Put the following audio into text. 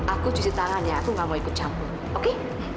aku cuci tangan ya aku nggak mau ikut campur oke